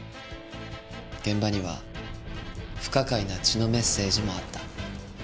現場には不可解な血のメッセージもあった。